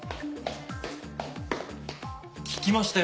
聞きましたよ